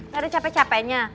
gak ada capek capeknya